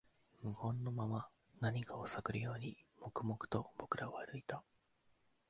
無言のまま、何かを探るように、黙々と僕らは歩いた